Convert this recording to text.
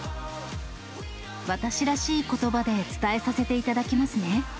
私らしいことばで伝えさせていただきますね。